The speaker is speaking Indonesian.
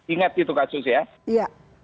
ingat itu kasus ya